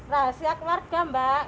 rahasia keluarga mbak